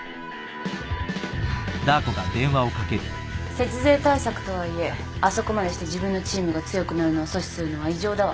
節税対策とはいえあそこまでして自分のチームが強くなるのを阻止するのは異常だわ